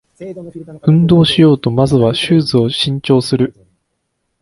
運動しようとまずはシューズを新調する